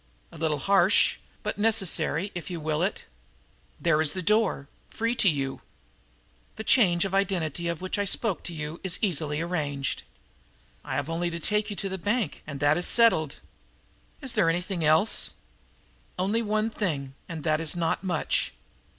"A little harsh, but necessary, if you will it. There is the door, free to you. The change of identity of which I spoke to you is easily arranged. I have only to take you to the bank and that is settled. Is there anything else?" "Only one thing and that is not much."